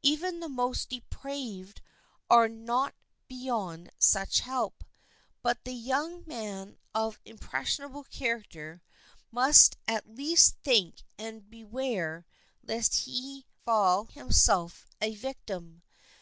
Even the most depraved are not beyond such help. But the young man of impressible character must at least think and beware lest he fall himself a victim.